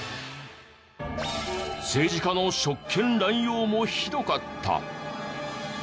政治家の職権乱用もひどかった。